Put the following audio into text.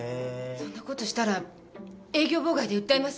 そんなことしたら営業妨害で訴えます。